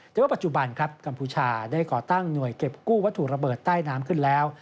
แต่ว่าปัจจุบันครับกัมพูชาได้ก่อตั้งหน่วยเก็บกู้วัตถุระเบิดใต้น้ำขึ้นแล้ว